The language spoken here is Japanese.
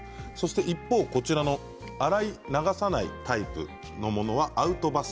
一方、洗い流さないタイプはアウトバス。